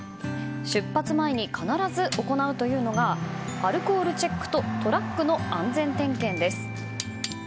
出発前に必ず行うというのがアルコールチェックとトラックの安全点検です。